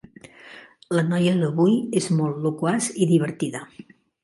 La noia d'avui és molt loquaç i divertida.